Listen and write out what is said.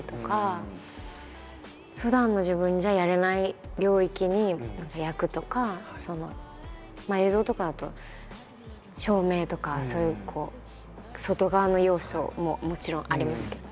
ふだんの自分じゃやれない領域に何か役とか映像とかだと照明とかそういう外側の要素ももちろんありますけど。